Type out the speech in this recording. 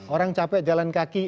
orang capek jalan kaki